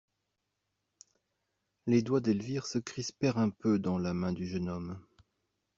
Les doigts d'Elvire se crispèrent un peu dans la main du jeune homme.